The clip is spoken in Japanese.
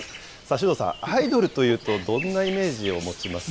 首藤さん、アイドルというとどんなイメージを持ちますか。